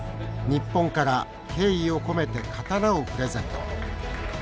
日本から敬意を込めて刀をプレゼント。